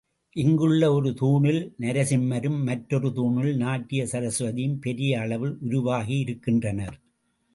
இங்குள்ள ஒரு தூணில் நரசிம்மரும், மற்றொரு தூணில் நாட்டிய சரஸ்வதியும் பெரிய அளவில் உருவாகியிருக்கின்றனர்.